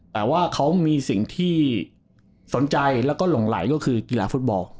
แต่ว่าเขามีสิ่งที่สนใจแล้วก็หลงไหลก็คือกีฬาฟุตบอล